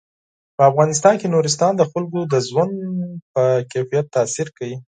په افغانستان کې نورستان د خلکو د ژوند په کیفیت تاثیر کوي.